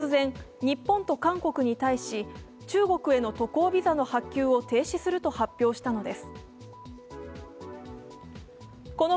すると１０日、中国は突然、日本と韓国に対し中国への渡航ビザの発給を停止すると発表したのです。